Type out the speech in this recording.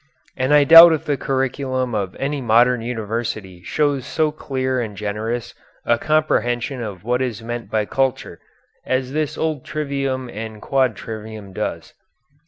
_And I doubt if the curriculum of any modern university shows so clear and generous a comprehension of what is meant by culture, as this old Trivium and Quadrivium does.